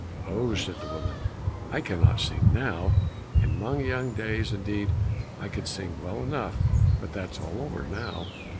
"Oh," said the woman, "I cannot sing now, in my young days indeed I could sing well enough, but that's all over now."